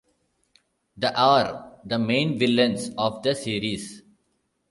The are the main villains of the series.